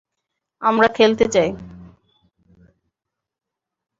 আমরা খেলতে চাই।